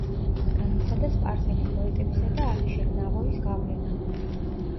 განიცადა სპარსელი პოეტებისა და ალიშერ ნავოის გავლენა.